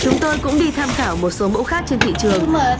chúng tôi cũng đi tham khảo một số mẫu khác trên thị trường